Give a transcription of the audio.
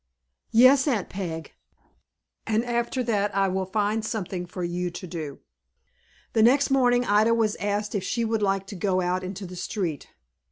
"Yes, Aunt Peg." "And after that I will find something for you to do." The next morning Ida was asked if she would like to go out into the street.